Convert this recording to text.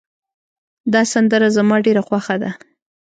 دا سندره زما ډېره خوښه ده